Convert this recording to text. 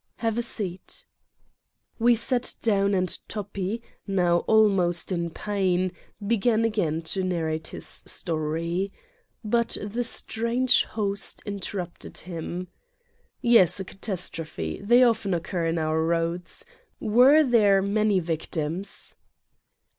"Have a seat." We sat down and Toppi, now almost in pain, began again to narrate his story. But the strange host interrupted him : "Yes , a catastrophe. They often occur on our roads. Were there many victims?"